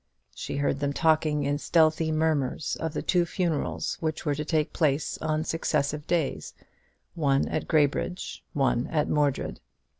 She heard them talking in stealthy murmurs of the two funerals which were to take place on successive days one at Graybridge, one at Mordred.